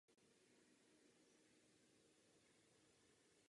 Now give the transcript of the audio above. Oficiální vláda byla rozpuštěna.